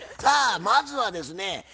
さあまずはですね